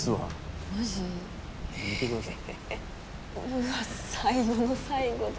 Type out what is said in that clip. うわぁ最後の最後で。